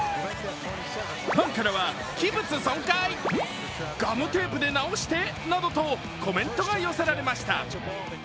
ファンからは器物損壊、ガムテープで直してなどとコメントが寄せられました。